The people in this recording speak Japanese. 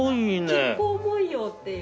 亀甲文様っていう。